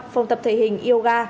phòng tập thể hình yoga